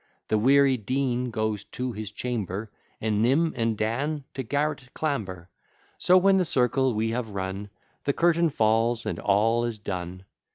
The weary Dean goes to his chamber; And Nim and Dan to garret clamber, So when the circle we have run, The curtain falls and all is done.